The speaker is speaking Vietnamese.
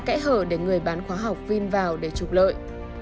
kẽ hở đến người bán khóa học viên vào để trục lợi